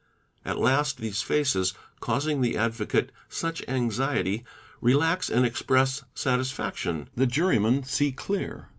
At TI CRE LA BD "last these faces, causing the advocate such anxiety, relax and express satisfaction ; the jurymen see clear.